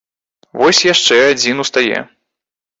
Вось яшчэ адзін устае.